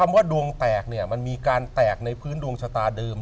ว่าดวงแตกเนี่ยมันมีการแตกในพื้นดวงชะตาเดิม